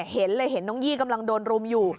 เห็นเลยเห็นน้องยี่กำลังโดนรุมอยู่